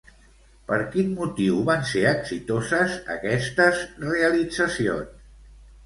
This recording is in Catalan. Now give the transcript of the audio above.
Per quin motiu van ser exitoses, aquestes realitzacions?